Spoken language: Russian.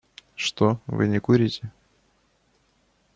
Что, вы не курите?